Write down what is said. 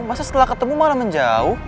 masa setelah ketemu malah menjauh